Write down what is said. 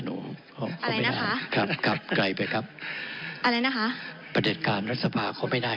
หนูอะไรนะคะครับครับไกลไปครับอะไรนะคะประเด็จการรัฐสภาเขาไม่ได้